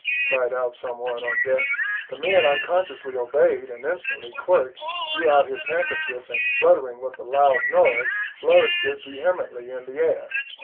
cried out some one on deck. The men unconsciously obeyed, and instantly Quirk drew out his handkerchief, and, spluttering with a loud noise, flourished it vehemently in the air.